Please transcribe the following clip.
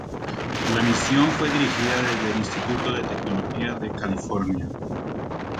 La misión fue dirigida desde el Instituto de Tecnología de California.